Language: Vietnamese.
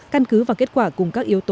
căn cứ và kết quả cùng các yếu tố